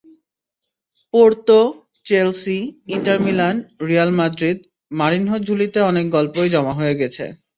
Porto, Chelsea, Inter Milan, Real মাদ্রিদ—মরিনহোর ঝুলিতে অনেক গল্পই জমা হয়ে গেছে।